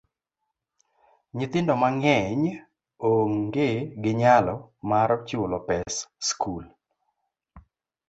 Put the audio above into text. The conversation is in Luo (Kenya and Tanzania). Nyithindo mang'eny onge gi nyalo mar chulo pes skul.